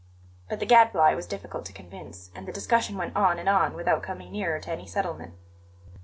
But the Gadfly was difficult to convince, and the discussion went on and on without coming nearer to any settlement.